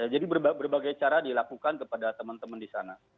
jadi berbagai cara dilakukan kepada teman teman di sana